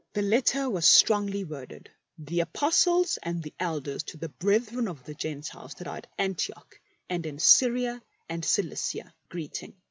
The letter was strongly worded :" The Apostles and the Elders to the brethren of the Geniiles that are at Antioch and in Syria and Cilicia, greeting.